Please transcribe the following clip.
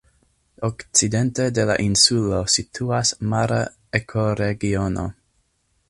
Okcidente de la insulo situas mara ekoregiono.